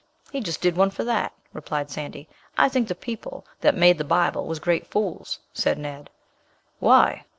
"He jest de one for dat," replied Sandy. "I think de people dat made de Bible was great fools," said Ned. "Why?"